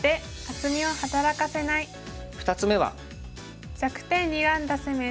２つ目は。